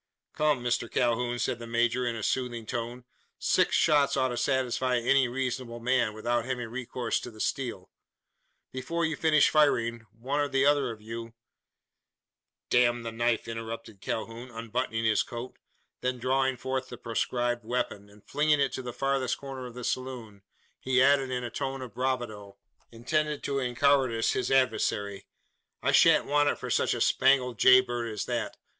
"Come, Mr Calhoun!" said the major, in a soothing tone. "Six shots ought to satisfy any reasonable man; without having recourse to the steel. Before you finish firing, one or the other of you " "Damn the knife!" interrupted Calhoun, unbuttoning his coat. Then drawing forth the proscribed weapon, and flinging it to the farthest corner of the saloon, he added, in a tone of bravado, intended to encowardice his adversary. "I sha'n't want it for such a spangled jay bird as that.